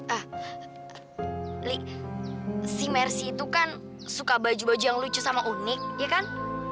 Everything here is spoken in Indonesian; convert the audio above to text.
ah si mercy itu kan suka baju baju yang lucu sama unik ya kan